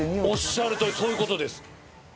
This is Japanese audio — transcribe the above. おっしゃる通りそういうことです。